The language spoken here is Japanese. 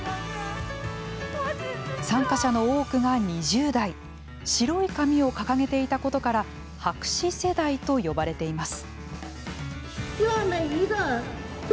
参加者の多くが２０代白い紙を掲げていたことから白紙世代と呼ばれています。